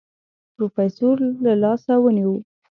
پروفيسر له لاسه ونيو.